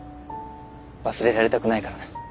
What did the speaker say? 忘れられたくないからな。